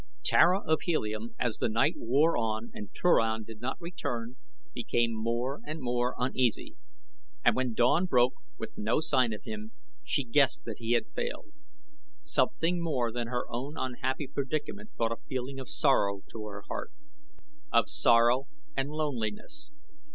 Tara of Helium, as the night wore on and Turan did not return, became more and more uneasy, and when dawn broke with no sign of him she guessed that he had failed. Something more than her own unhappy predicament brought a feeling of sorrow to her heart of sorrow and loneliness.